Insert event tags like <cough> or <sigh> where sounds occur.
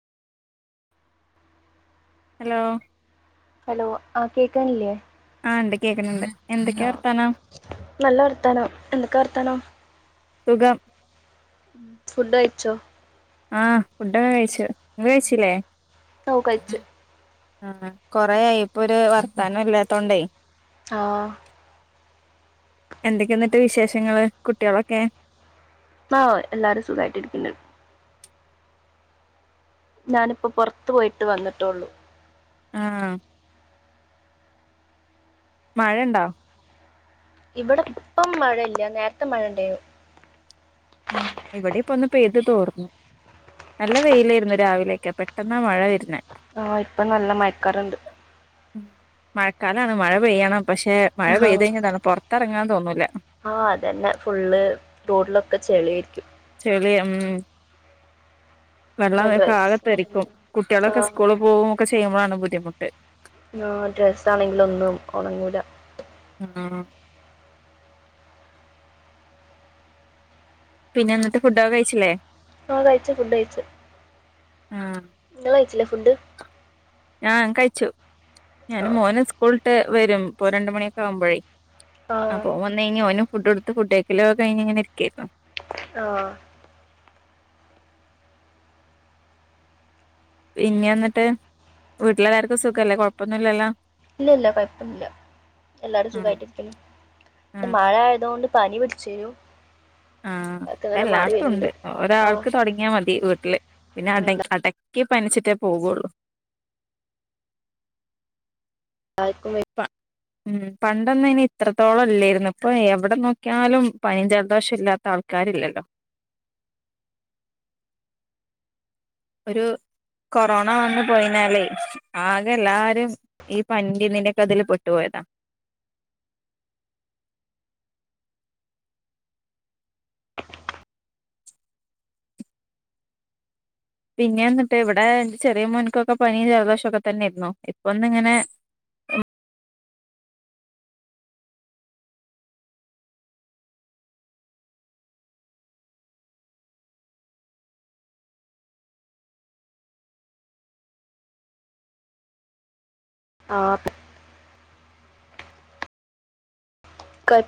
Hello hello ആ കേക്കാണില്ലേ ആ ഉണ്ട് കേക്കണണ്ട് നല്ല വർത്താനം എന്തൊക്കെ വർത്താനം സുഖം ഫുഡ് കയിച്ചോ ആഹ് ഫുഡൊക്കെ കഴിച്ചു ഇങ്ങള് കഴിച്ചില്ലേ ഓ കഴിച്ച് ആ കൊറെയായി ഇപ്പൊ ഒരു വർത്താനം ഇല്ലാത്തോണ്ടേ ആ എന്തൊക്കെയ എന്നിട്ട് വിശേഷങ്ങള് കുട്ടിയോളൊക്കെ ആ എല്ലാരും സുഖായിട്ടിരിക്കുന്ന് ഞാനിപ്പോ പുറത്തു പോയിട്ട് വന്നിട്ടൊള്ളൂ ആ മഴ ഇണ്ടോ ഇവിടെ ഇപ്പം മഴയില്ല നേരത്തെ മഴ ഇണ്ടേനു ആ ഇവിടെ ഇപ്പൊ ഒന്ന് പെയ്ത് തോർന്നു നല്ല വെയിലാരുന്നു രാവിലേക്ക പെട്ടെന്നാ മഴ വരുണെ ആ ഇപ്പൊ നല്ല മയക്കാറിണ്ട് മഴക്കാലാണ് മഴ പെയ്യണം പക്ഷെ മഴ ആ പെയ്ത് കഴിഞ്ഞ പൊറത്തെറങ്ങാൻ തോന്നൂല ഒക്കെ ചെളി ആയിരിക്കും ചെളി ഉം വെള്ളം പിന്നെ ക്കെ ഡ്രസ്സ് ആകെ തെറിക്കും ആണെങ്കിലും കുട്ടിയോളൊക്കെ ആ സ്കൂള് പോകു ഒക്കെ ച്ച ചെയ്യുമ്പോഴാണ് ബുദ്ധിമുട്ട് ആ ഡ്രസ്സ ആണെങ്കില ഒന്നും ഉണങ്ങൂല ആ പിന്നെ എന്നിട്ട് ഫുഡൊക്കെ കഴിച്ചില്ലേ ആ കഴിച്ചു ഫുഡ് കഴിച്ചു ആ ഇങ്ങൾ കഴിച്ചിലെ ഫുഡ് ആഹ കഴിച്ചു ആ ഞാന് മോന് സ്കൂൾ ട്ട് വരും ഇപ്പോ രണ്ട് മണിയൊക്കെ ആവുമ്പോഴേ ആ അപ്പൊ ഓൻ വന്നു കഴിഞ്ഞ ഒനും ഫുഡ് കൊടുത്ത് ഫുഡ് കഴിക്കലും കഴിഞ്ഞു ഇങ്ങനെ ഇരിക്കായിരുന്നു ആ പിന്നെ വന്നിട്ട് വീട്ടിലെള്ളാർക്കും സുഖല്ലേ കൊഴപ്പൊന്നുംല്ലല്ലോ ഇല്ല ഇല്ല കുഴപ്പമില്ല എല്ലാരും ആഹ് സുഖമായിട്ടിരിക്കുന്നു ആഹ് മഴ ആയതുകൊണ്ട് പനി പിടിച്ചിനു ആഹ എല്ലാർത്തും ഉണ്ട് ആ ഒരാൾക്ക് തുടങ്ങിയാൽ മതി വീട്ടില് പിന്നെ ആ, അട ക്കി. പനിച്ചിട്ടേ പോകുള്ളൂ ആക്കുമ <unintelligible> ഉം പണ്ടൊന്ന ഇനി ഇത്രത്തോളം ഇല്ലായിരുന്നു ഇപ്പൊ എവിടെ നോക്കിയാലും പനിം ജലദോഷം ഇല്ലാത്ത ആൾക്കാരില്ലല്ലോ ഒരു കൊറോണ വന്നു പോയിഞ്ഞാലേ ആകെ എല്ലാരും ഈ പനിന്റെക്കതിൽ പൊട്ടുപോയതാ പിന്നെ എന്നിട്ട് ഇവിടെ ചെറിയ മോന്ക്കൊക്കെ പനിയും ജലദോഷംക്കെ തന്നൊയിരുന്നു ഇപ്പൊന്ന് ഇങ്ങനെ ആഹ് കുഴപ്പമില്ല